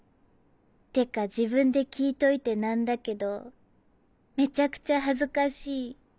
てか自分で聞いといて何だけどめちゃくちゃ恥ずかしい。